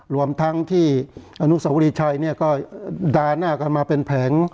รวมทั้งที่อนุสาวรีชัยเนี่ยก็ด่าหน้ากันมาเป็นแผง